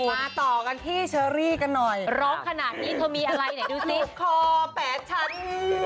มาต่อกันที่เชอรี่กันหน่อยร้องขนาดนี้เธอมีอะไรดูสิ